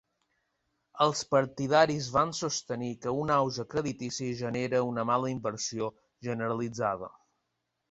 Els partidaris van sostenir que un auge creditici genera una mala inversió generalitzada.